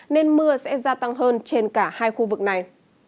nên mưa sẽ gia tăng hơn trên cả hai khu vực này